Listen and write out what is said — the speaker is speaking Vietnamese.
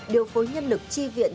điều phối nhân lực chi viện